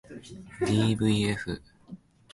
ｄｖｆ